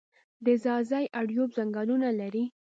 د ځاځي اریوب ځنګلونه لري